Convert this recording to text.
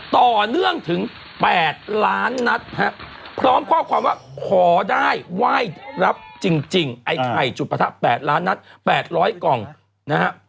ต่อเนื่องถึงแปดล้านนัดครับพร้อมข้อความว่าขอได้ว่ายรับจริงจริงไอไข่จุดประทัดแปดล้านนัดแปดร้อยกล่องนะฮะ